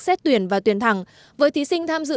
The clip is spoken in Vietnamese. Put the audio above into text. xét tuyển và tuyển thẳng với thí sinh tham dự